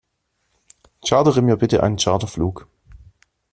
Chartere mir bitte einen Charterflug!